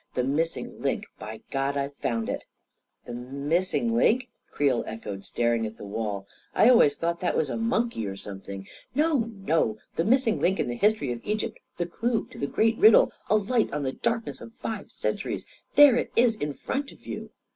"The missing link I By God, I've found it I "" The missing link I " Creel echoed, staring at the wall ;" I always thought that was a monkey or some thing ..."" No, no ! The missing link in the history of Egypt — the clue to the great riddle — a light on the darkness of five centuries ! There it is in front of you